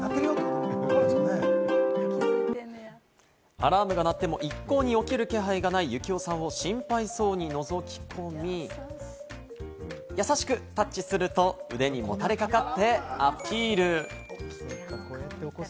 アラームが鳴っても一向に起きる気配がない幸男さんを心配そうに覗き込み、優しくタッチすると、腕にもたれかかってアピール。